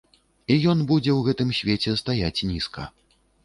І ён будзе ў гэтым свеце стаяць нізка.